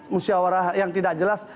musyawarah yang tidak jelas